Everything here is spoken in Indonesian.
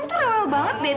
kamu tuh rewel banget deh